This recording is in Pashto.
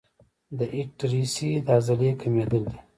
د ایټریسي د عضلې کمېدل دي.